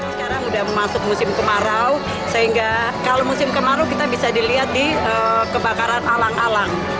sekarang sudah masuk musim kemarau sehingga kalau musim kemarau kita bisa dilihat di kebakaran alang alang